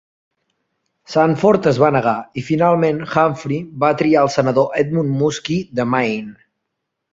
Sanford es va negar, i finalment Humphrey va triar el senador Edmund Muskie de Maine.